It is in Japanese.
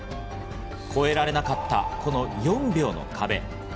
超えられなかったこの４秒の壁。